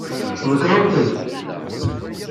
Tbekkṛemt-d.